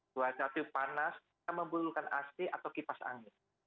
suatu hari panas kita membutuhkan ac atau kipas angin